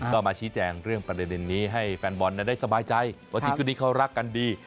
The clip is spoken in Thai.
ก็มาชี้แจงเรื่องประเด็นนี้ให้แฟนบอลได้สบายใจวันอาทิตย์นี้เขารักกันดี